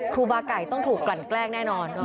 ครูบาไก่ต้องถูกกลั่นแกล้งแน่นอน